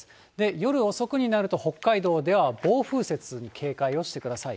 夜遅くになると、北海道では暴風雪に警戒をしてください。